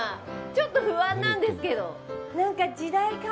ちょっと不安なんですけど。